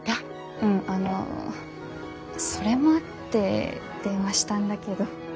うんあのそれもあって電話したんだけど。